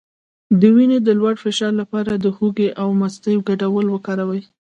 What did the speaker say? د وینې د لوړ فشار لپاره د هوږې او مستو ګډول وکاروئ